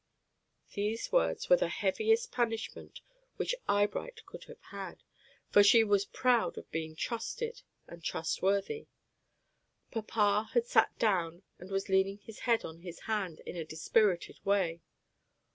These words were the heaviest punishment which Eyebright could have had, for she was proud of being trusted and trustworthy. Papa had sat down and was leaning his head on his hand in a dispirited way.